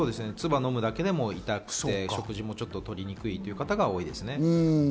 つばを飲むだけでも痛くて、食事を取りにくいという方が多いですね。